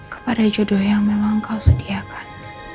kepada jodoh yang memang engkau sediakan